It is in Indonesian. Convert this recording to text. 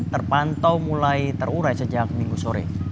terpantau mulai terurai sejak minggu sore